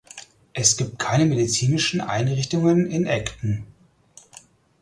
Es gibt keine medizinischen Einrichtungen in Acton.